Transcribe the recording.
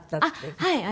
はい。